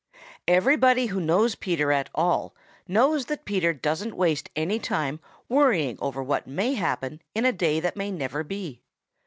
Everybody who knows Peter at all knows that Peter doesn't waste any time worrying over what may happen in a day that may never be.